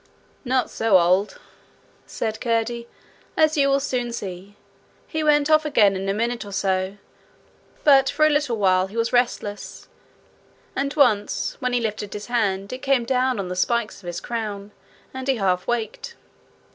'Not so old!' said Curdie, 'as you will soon see. He went off again in a minute or so; but for a little while he was restless, and once when he lifted his hand it came down on the spikes of his crown, and he half waked.'